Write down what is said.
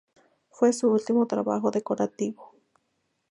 Fue su último trabajo decorativo.